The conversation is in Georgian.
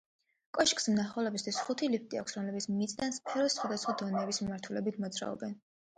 კოშკს მნახველებისთვის ხუთი ლიფტი აქვს, რომლებიც მიწიდან სფეროს სხვადასხვა დონეების მიმართულებით მოძრაობენ.